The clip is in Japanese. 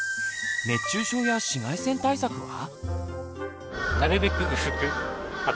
熱中症や紫外線対策は？